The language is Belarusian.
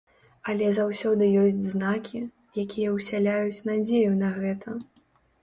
Але заўсёды ёсць знакі, якія ўсяляюць надзею на гэта.